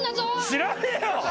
知らねえよ。